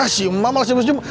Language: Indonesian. si mak malah sejum sejum